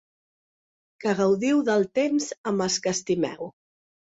Que gaudiu del temps amb els que estimeu.